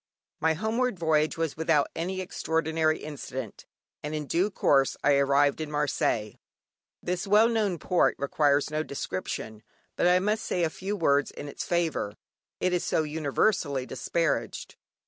My homeward voyage was without any extraordinary incident, and in due course I arrived at Marseilles. This well known port requires no description, but I must say a few words in its favour; it is so universally disparaged.